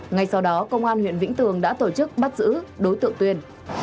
ngay sau đó công an huyện vĩnh tường đã tổ chức bắt giữ đối tượng tuyên